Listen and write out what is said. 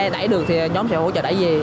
để đẩy được thì nhóm sẽ hỗ trợ đẩy về